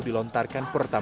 dilontarkan perusahaan kpu